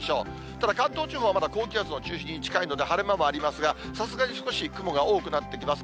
ただ関東地方はまだ高気圧の中心に近いので、晴れ間もありますが、さすがに少し雲が多くなってきます。